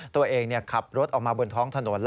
ตัวเองขับรถออกมาบนท้องถนน